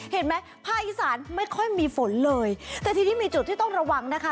เห็นไหมภาคอีสานไม่ค่อยมีฝนเลยแต่ทีนี้มีจุดที่ต้องระวังนะคะ